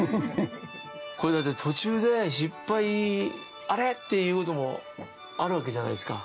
これだって途中で失敗、あれ？ということもあるわけじゃないですか。